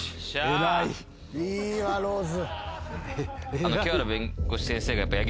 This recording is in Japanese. いいわローズ。